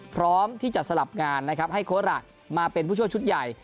พร้อมที่จะสลับงานนะครับให้โค้ดมาเป็นผู้ช่วยชุดใหญ่